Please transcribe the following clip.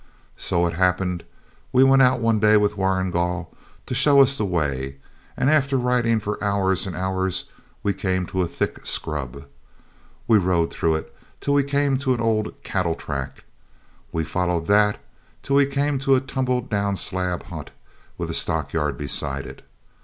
So it happened we went out one day with Warrigal to show us the way, and after riding for hours and hours, we came to a thick scrub. We rode through it till we came to an old cattle track. We followed that till we came to a tumble down slab hut with a stockyard beside it.